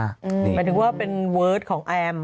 หมายถึงว่าเป็นเวิร์ดของแอม